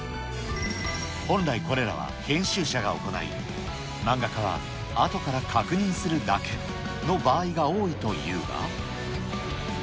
本来これらは編集者が行い、漫画家はあとから確認するだけの場合が多いというが。